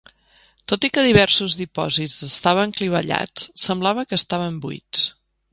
Tot i que diversos dipòsits estaven clivellats, semblava que estaven buits.